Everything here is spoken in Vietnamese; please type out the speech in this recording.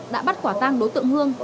đã bắt quả tăng đối tượng hương